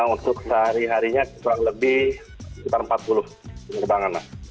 untuk sehari harinya kurang lebih sekitar empat puluh penerbangan